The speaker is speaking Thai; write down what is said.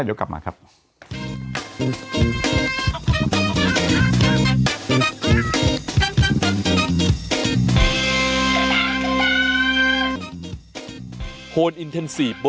เดี๋ยวกลับมาครับ